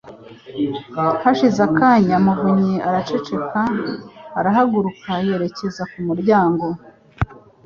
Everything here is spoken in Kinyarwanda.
Hashize akanya, Muvunyi, araceceka, arahaguruka yerekeza ku muryango